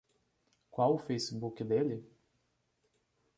Qual o Facebook dele?